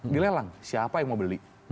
dilelang siapa yang mau beli